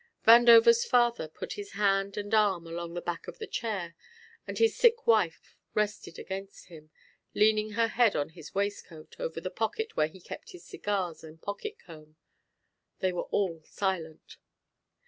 Vandover's father put his hand and arm along the back of the chair and his sick wife rested against him, leaning her head on his waistcoat over the pocket where he kept his cigars and pocket comb. They were all silent.